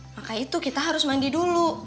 maka itu kita harus mandi dulu